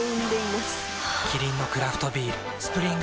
キリンのクラフトビール「スプリングバレー」